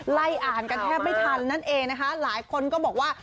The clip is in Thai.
ไล่อ่านกันแทบไม่ทันนั่นเองนะคะหลายคนก็บอกว่า